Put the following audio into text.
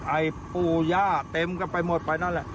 ไอ้ปู่ย่าเต็มกันไปหมดไปนั่นแหละ